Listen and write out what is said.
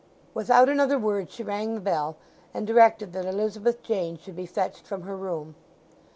Without another word she rang the bell, and directed that Elizabeth Jane should be fetched from her room.